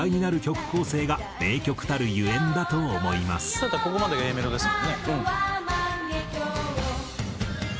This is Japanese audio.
「普通だったらここまでがＡメロですもんね」